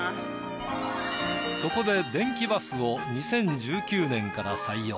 そこで電気バスを２０１９年から採用。